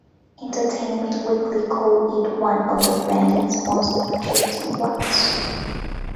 "Entertainment Weekly" called it "one of the band's most affecting works".